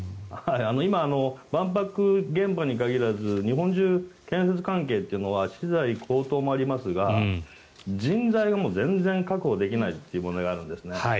今、万博現場に限らず日本中、建設関係というのは資材高騰もありますが人材が全然確保できないという問題があるんですね。